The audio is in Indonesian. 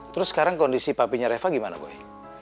terus sekarang kondisi papinya reva gimana boleh